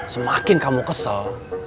semakin kamu kesel